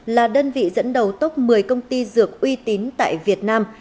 là đơn vị dẫn đầu top một mươi công ty dược uy tín tại việt nam